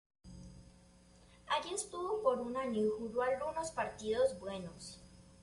Allí estuvo por un año, y jugó algunos partidos buenos.